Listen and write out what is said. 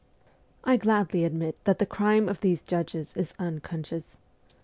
' I gladly admit that the crime of these judges is unconscious.